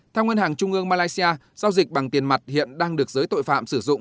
theo ngân hàng trung ương malaysia giao dịch bằng tiền mặt hiện đang được giới tội phạm sử dụng